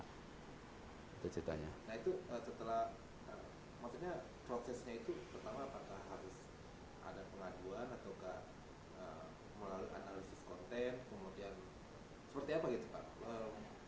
nah itu setelah maksudnya prosesnya itu pertama apakah harus ada pengaduan ataukah melalui analisis konten kemudian seperti apa gitu pak